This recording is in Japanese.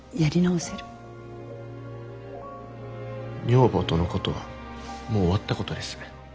女房とのことはもう終わったことです。